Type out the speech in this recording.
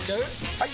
・はい！